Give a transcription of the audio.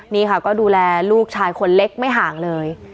นี่ค่ะก็ดูแลลูกชายคนเล็กไม่ห่างเลย